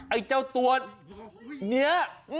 ไอ้เจ้าตัวนี้